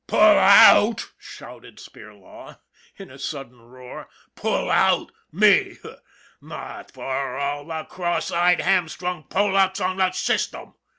'" Pull out !" shouted Spirlaw, in a sudden roar. "Pull out! Me! Not for all the cross eyed, ham strung Polacks on the system